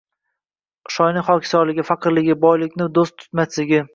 Shoirning xokisorligi, faqirligi, boylikni do’st tutmasligi